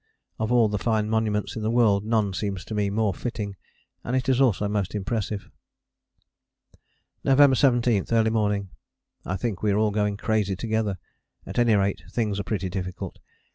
Of all the fine monuments in the world none seems to me more fitting; and it is also most impressive. November 17. Early morning. I think we are all going crazy together at any rate things are pretty difficult.